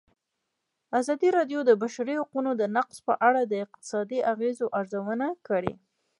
ازادي راډیو د د بشري حقونو نقض په اړه د اقتصادي اغېزو ارزونه کړې.